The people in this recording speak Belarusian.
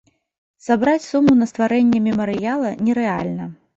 Сабраць суму на стварэнне мемарыяла нерэальна.